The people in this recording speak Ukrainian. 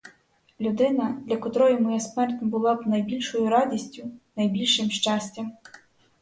Людина, для котрої моя смерть була би найбільшою радістю, найбільшим щастям!